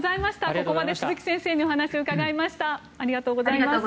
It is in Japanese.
ここまで鈴木先生にお話を伺いました。